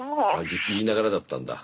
ずっと言いながらだったんだ。